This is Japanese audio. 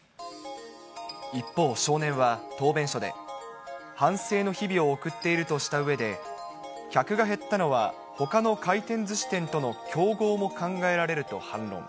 一方、少年は答弁書で、反省の日々を送っているとしたうえで客が減ったのはほかの回転ずし店との競合も考えられると反論。